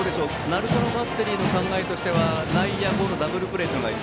鳴門のバッテリーの考えとしては内野ゴロ、ダブルプレーが